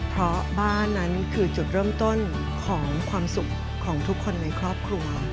เพราะบ้านนั้นคือจุดเริ่มต้นของความสุขของทุกคนในครอบครัว